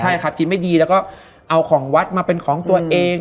ใช่ครับกินไม่ดีแล้วก็เอาของวัดมาเป็นของตัวเอง